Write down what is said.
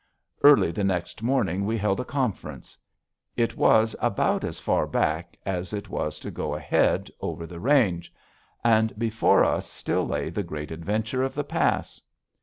Early the next morning we held a conference. It was about as far back as it was to go ahead over the range. And before us still lay the Great Adventure of the pass.